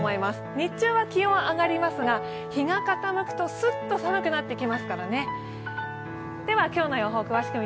日中は気温が上がりますが、日が傾くとすっと寒くなってきますからね。